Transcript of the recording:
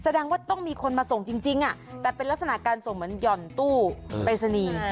แสดงว่าต้องมีคนมาส่งจริงแต่เป็นลักษณะการส่งเหมือนหย่อนตู้ปริศนีย์